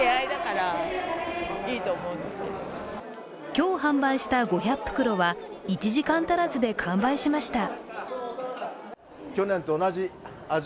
今日販売した５００袋は１時間足らずで完売しました。